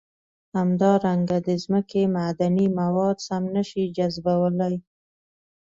همدارنګه د ځمکې معدني مواد سم نه شي جذبولی.